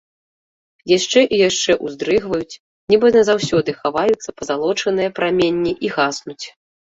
Яшчэ і яшчэ ўздрыгваюць, нібы назаўсёды хаваюцца пазалочаныя праменні і гаснуць.